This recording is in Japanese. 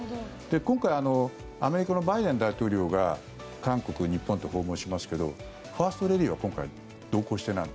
今回アメリカのバイデン大統領が韓国、日本と訪問しますけどファーストレディーは今回、同行していない。